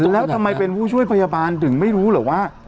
แล้วทำไมเป็นผู้ช่วยพยาบาลถึงไม่รู้เหรอว่า